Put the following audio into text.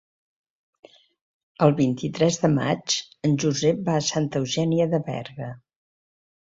El vint-i-tres de maig en Josep va a Santa Eugènia de Berga.